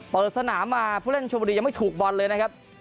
เปิดสนามมาผู้เล่นชมบุรียังไม่ถูกบอลเลยนะครับ